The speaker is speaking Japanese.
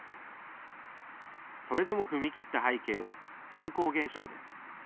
それでも踏み切った背景は人口減少です。